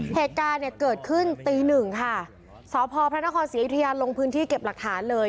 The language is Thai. เหตุการณ์เนี่ยเกิดขึ้นตีหนึ่งค่ะสพพระนครศรีอยุธยาลงพื้นที่เก็บหลักฐานเลย